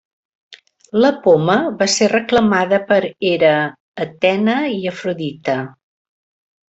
La poma va ser reclamada per Hera, Atena i Afrodita.